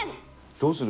どうする？